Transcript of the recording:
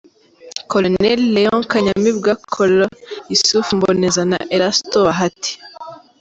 Colonel Léon Kanyamibwa, Col. Yusuf Mboneza na Erasto Bahati.